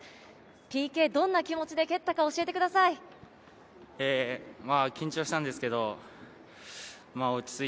ＰＫ、どんな気持ちで蹴ったか教えてください。